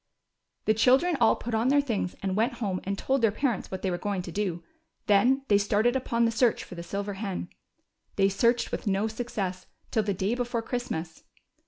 The children all put on their things, and went home and told their parents what they Avere going to do ; then they started upon the search for the sih^er hen. They searched Avith no success till the day before Christmas.